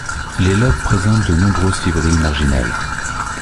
Les lobes présentent de nombreuses fibrilles marginales.